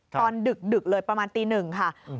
ดึกเลยประมาณตีหนึ่งค่ะ